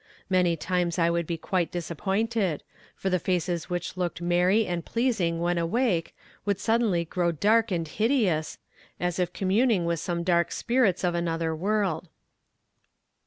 Many times I would be quite disappointed, for the faces which looked merry and pleasing when awake would suddenly grow dark and hideous, as if communing with some dark spirits of another world.